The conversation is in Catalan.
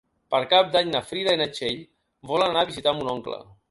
Per Cap d'Any na Frida i na Txell volen anar a visitar mon oncle.